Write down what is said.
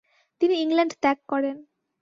তিনি ইংল্যান্ড ত্যাগ করেন।